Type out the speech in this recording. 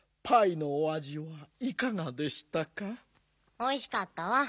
おいしかったわ。